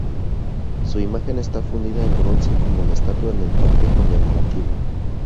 Su imagen está fundida en bronce como la estatua en el parque conmemorativo.